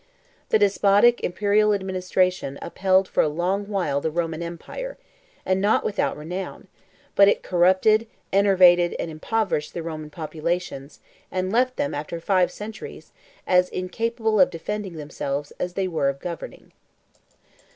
The despotic imperial administration upheld for a long while the Roman empire, and not without renown; but it corrupted, enervated, and impoverished the Roman populations, and left them, after five centuries, as incapable of defending themselves as they were of governing.